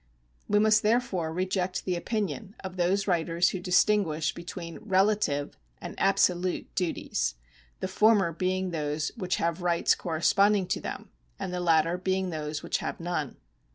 We must therefore reject the opinion of those writers who distinguish between relative and absolute duties, the former being those which have rights corresponding to them, and the latter being those which have none.